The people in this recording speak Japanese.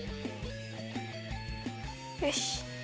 よし！